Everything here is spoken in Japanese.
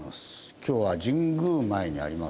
今日は神宮前にあります